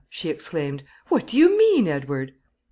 she exclaimed. "What do you mean, Edward?"